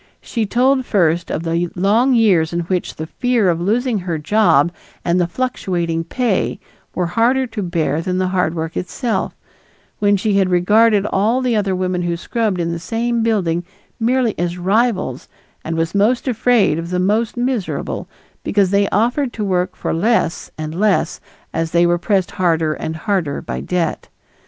She told first of the long years in which the fear of losing her job and the fluctuating pay were harder to bear than the hard work itself, when she had regarded all the other women who scrubbed in the same building merely as rivals and was most afraid of the most miserable, because they offered to work for less and less as they were pressed harder and harder by debt.